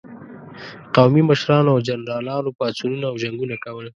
قومي مشرانو او جنرالانو پاڅونونه او جنګونه کول.